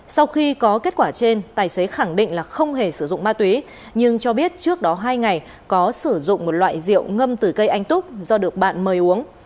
sau khi có kết quả trên tài xế khẳng định là không hề sử dụng ma túy nhưng cho biết trước đó hai ngày có sử dụng một loại rượu ngâm từ cây anh túc do được bạn mời uống